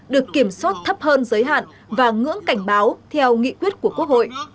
được kiểm soát thấp hơn giới hạn và ngưỡng cảnh báo theo nghị quyết của quốc hội